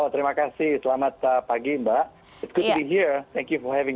terima kasih selamat pagi mbak